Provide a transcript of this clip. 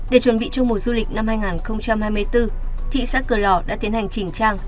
để chuẩn bị cho mùa du lịch năm hai nghìn hai mươi bốn thị xã cửa lò đã tiến hành chỉnh trang